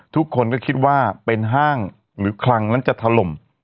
ทุกคนก็คิดว่าเป็นห้างหรือคลังนั้นจะถล่ม